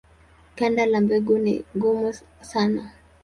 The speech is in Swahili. Ganda la mbegu ni gumu sana.